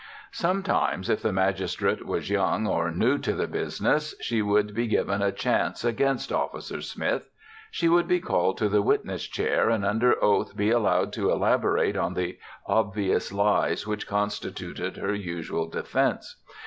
Sometimes, if the magistrate was young or new to the business, she would be given a chance against Officer Smith. She would be called to the witness chair and under oath be allowed to elaborate on the obvious lies which constituted her usual defense.